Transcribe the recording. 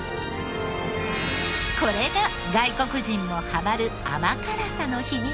これが外国人もハマる甘辛さの秘密。